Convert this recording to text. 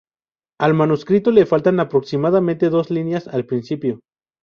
Al manuscrito le faltan aproximadamente dos líneas al principio.